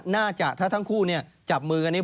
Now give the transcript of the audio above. น่าจะถ้าทั้งคู่เนี่ยจับมือกันนี้